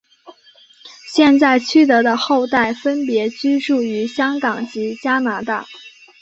现在区德的后代分别居住于香港及加拿大。